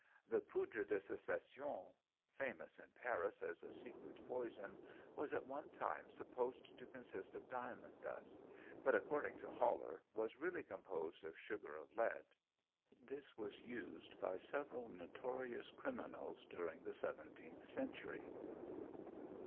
The "poudre de succession," famous in Paris as a secret poison, was at one time supposed to consist of diamond dust, but, according to Haller, was really composed of sugar of lead. This was used by several notorious criminals during the seventeenth century.